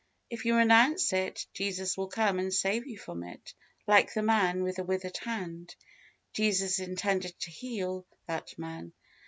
If you renounce it, Jesus will come and save you from it. Like the man with the withered hand Jesus intended to heal that man.